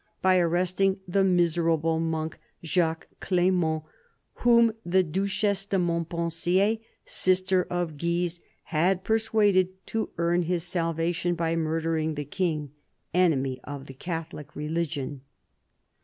by arresting the miserable monk, Jacques Clement, whom the Duchesse de Montpensier sister of Guise, had persuaded to earn his salvation by murdering the King, " enemy of the Catholic religion."